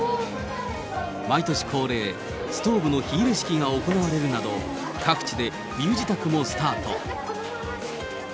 毎年恒例、ストーブの火入れ式が行われるなど、各地で冬支度もスタート。